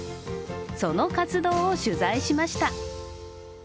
その活動を取材しました。